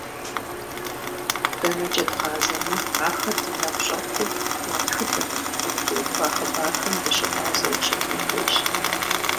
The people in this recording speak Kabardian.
Дэнэкӏэ дгъазэми ахэр ди нэгу щӏэту, я тхыдэм, ятеухуа хъыбархэм дыщыгъуазэу щытын хуейщ.